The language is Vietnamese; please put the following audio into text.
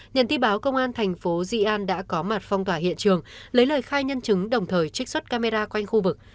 nhận tin báo công an thành phố di an đã có mặt phong tỏa hiện trường lấy lời khai nhân chứng đồng thời trích xuất camera quanh khu vực